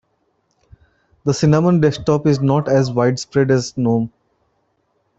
The cinnamon desktop is not as widespread as gnome.